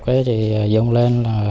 với chị dung lên